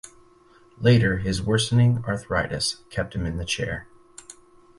Later, his worsening arthritis kept him in the chair.